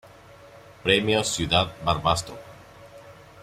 Premio Ciudad Barbastro